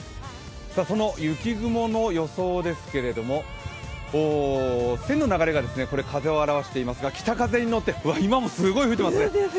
その雪雲の予想ですけれども線の流れが風を表してますが北風に乗って今もすごい吹いてますね。